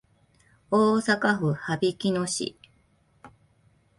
大阪府羽曳野市